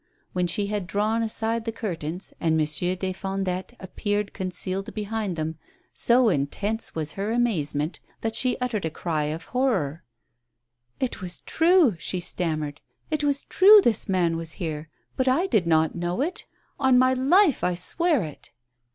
When she had drawn aside tbe curtains, and Monsieur des Fondettes appeared con cealed behind them, so intense was her amazement that she uttered a cry of horror. "It was true," she stammered, "it was true this man was here ; but I did not know it. On my life I swear it!"